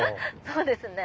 うですね。